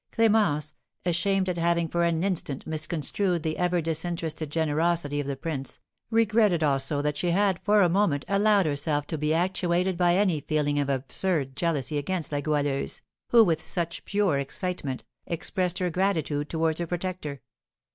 Clémence, ashamed at having for an instant misconstrued the ever disinterested generosity of the prince, regretted also that she had for a moment allowed herself to be actuated by any feeling of absurd jealousy against La Goualeuse, who, with such pure excitement, expressed her gratitude towards her protector.